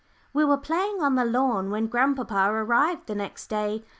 We were playing on the lawn when grandpapa arrived the next day.